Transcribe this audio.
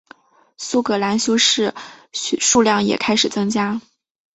苏格兰修士数量也开始增加。